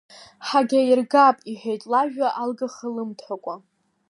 Ҳагьаиргап, – иҳәеит лажәа алгаха лымҭакәа.